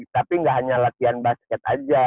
tapi nggak hanya latihan basket aja